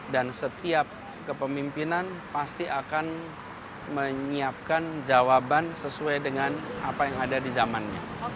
dan setiap kepemimpinan pasti akan menyiapkan jawaban sesuai dengan apa yang ada di zamannya